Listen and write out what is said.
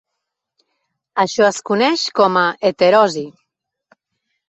Això es coneix com a heterosi.